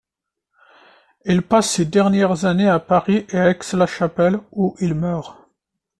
Il passe ses dernières années à Paris et à Aix-la-Chapelle, où il meurt.